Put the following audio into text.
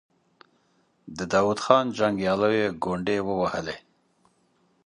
د داود خان جنګياليو ګونډې ووهلې.